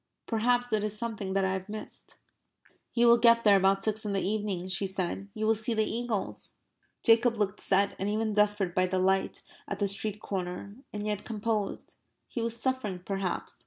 Perhaps it is something that I have missed...." "You will get there about six in the evening," she said. "You will see the eagles." Jacob looked set and even desperate by the light at the street corner and yet composed. He was suffering, perhaps.